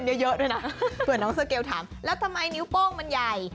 แล้วทำไมนิ้วโป้งมันใหญ่